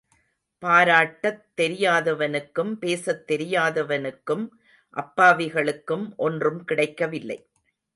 பாராட்டத் தெரியாதவனுக்கும் பேசத் தெரியாதவனுக்கும், அப்பாவிகளுக்கும் ஒன்றும் கிடைக்க வில்லை.